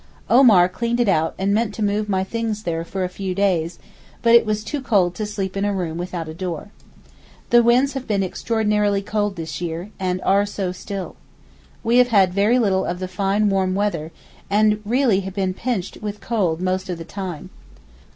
Omar cleaned it out and meant to move my things there for a few days, but it was too cold to sleep in a room without a door. The winds have been extraordinarily cold this year, and are so still. We have had very little of the fine warm weather, and really been pinched with cold most of the time.